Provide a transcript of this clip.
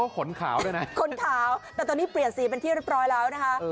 คนขาวแต่ตอนนี้เปลี่ยนสีเป็นที่เรียบร้อยแล้วนะคะ